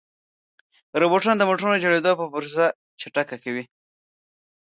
روبوټونه د موټرو د جوړېدو پروسه چټکه کوي.